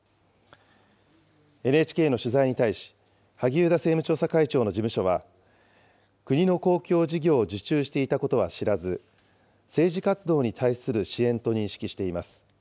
ＮＨＫの取材に対し萩生田政務調査会長の事務所は、国の公共事業を受注していたことは知らず、政治活動に対する支援と認識しています。